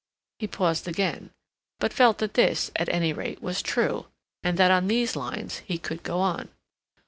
He paused again, but felt that this, at any rate, was true, and that on these lines he could go on.